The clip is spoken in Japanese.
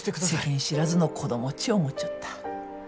世間知らずの子供っち思っちょった。